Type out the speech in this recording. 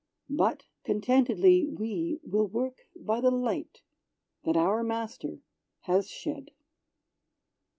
but contentedly, we Will work by the light that our Master has shed.